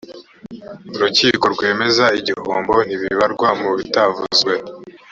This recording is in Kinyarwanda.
urukiko rwemeza igihombo ntibibarwa mu bitavuzwe